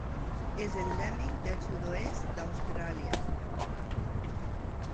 És endèmic del sud-oest d'Austràlia.